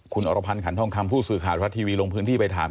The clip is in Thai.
คุณอรพันธ์ขันทองคำผู้สื่อข่าวรัฐทีวีลงพื้นที่ไปถาม